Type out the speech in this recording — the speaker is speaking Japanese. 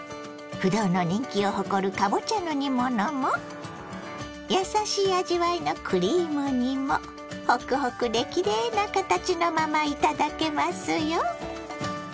不動の人気を誇るかぼちゃの煮物もやさしい味わいのクリーム煮もホクホクできれいな形のまま頂けますよ。